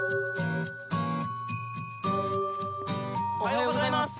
おはようございます！